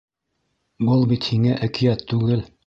Был бит һиңә әкиәт түгел.